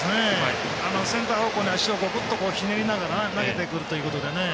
センター方向に足をグッとひねりながら投げてくるということで。